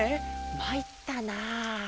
まいったな。